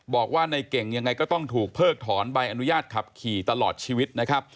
บอกว่าในเก่งยังไงก็ต้องถูกเพิกถอนใบอนุญาตขับขี่ตลอดชีวิตนะครับ